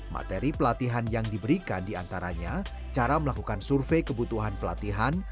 materi pelatihan yang diberikan diantaranya cara melakukan survei kebutuhan pelatihan